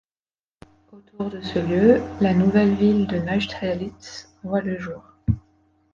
Autour de ce lieu, la nouvelle ville de Neustrelitz voit le jour.